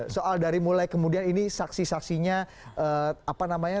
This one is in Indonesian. soal dari mulai kemudian ini saksi saksinya apa namanya